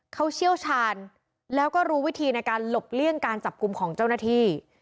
เขาเชี่ยวชาญแล้วก็รู้วิธีในการหลบเลี่ยงการจับกลุ่มของเจ้าหน้าที่